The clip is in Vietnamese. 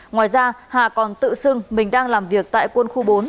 ngoài ra hà còn tự xưng mình đang làm việc tại quân khu bốn